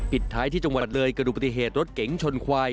ท้ายที่จังหวัดเลยกระดูกปฏิเหตุรถเก๋งชนควาย